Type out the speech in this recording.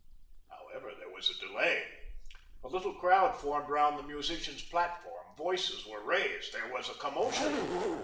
However, there was a delay. A little crowd formed around the musicians' platform; voices were raised; there was a commotion.